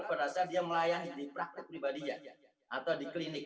berdasarkan dia melayani di praktik pribadinya atau di klinik